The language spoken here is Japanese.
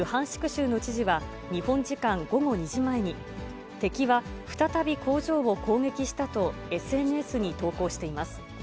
州の知事は日本時間午後２時前に、敵は再び工場を攻撃したとＳＮＳに投稿しています。